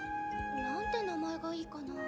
何て名前がいいかなぁ。